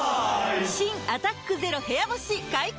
新「アタックＺＥＲＯ部屋干し」解禁‼